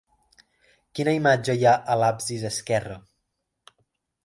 Quina imatge hi ha a l'absis esquerre?